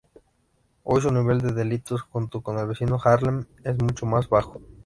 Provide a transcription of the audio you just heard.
Hoy su nivel de delitos, junto con el vecino Harlem, es mucho más bajo.